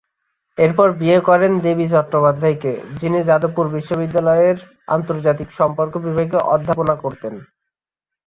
এরপরে বিয়ে করেন দেবী চট্টোপাধ্যায়কে, যিনি যাদবপুর বিশ্ববিদ্যালয়ে আন্তর্জাতিক সম্পর্ক বিভাগে অধ্যাপনা করতেন।